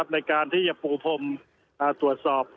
ในการที่จะปูพรมตรวจสอบ